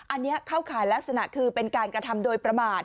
อันนี้เข้าข่ายลักษณะคือเป็นการกระทำโดยประมาท